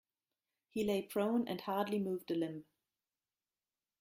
He lay prone and hardly moved a limb.